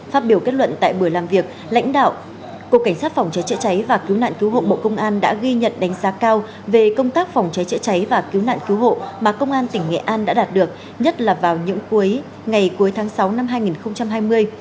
phát biểu kết luận tại buổi làm việc lãnh đạo cục cảnh sát phòng cháy chữa cháy và cứu nạn cứu hộ bộ công an đã ghi nhận đánh giá cao về công tác phòng cháy chữa cháy và cứu nạn cứu hộ mà công an tỉnh nghệ an đã đạt được nhất là vào những cuối ngày cuối tháng sáu năm hai nghìn hai mươi